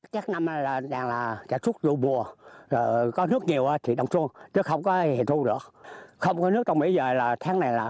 các năm đang là sản xuất vụ mùa có nước nhiều thì đông xuân chứ không có hè thu nữa